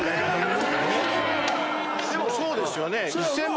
でもそうですよね。